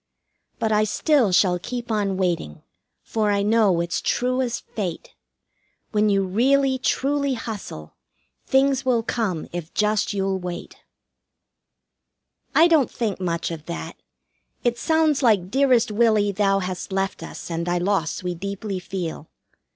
But I still shall keep on waiting, for I know it's true as fate, When you really, truly hustle, things will come if just you'll wait." I don't think much of that. It sounds like "Dearest Willie, thou hast left us, and thy loss we deeply feel."